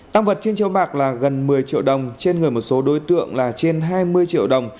tăng vật trên chiếu bạc là gần một mươi triệu đồng trên người một số đối tượng là trên hai mươi triệu đồng